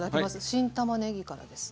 新たまねぎからですね。